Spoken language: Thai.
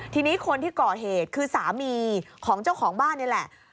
ทีนี้คนที่ก่อเหตุคือสามีของเจ้าของบ้านนี่แหละ